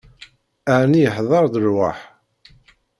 Ɛni iḥder-d rrwaḥ?